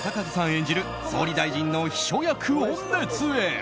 演じる総理大臣の秘書役を熱演！